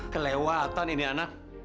kelewatan ini anak